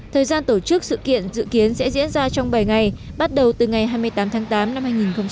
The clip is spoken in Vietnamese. thời gian tổ chức sự kiện dự kiến sẽ diễn ra trong bảy ngày bắt đầu từ ngày hai mươi tám tháng tám năm hai nghìn một mươi chín